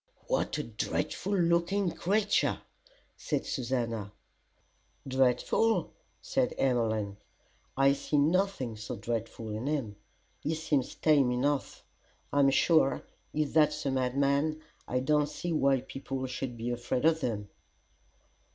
"What a dreadful looking creature!" said Susannah. "Dreadful!" said Emmeline, "I see nothing so dreadful in him. He seems tame enough. I'm sure, if that's a madman, I don't see why people should be afraid of them."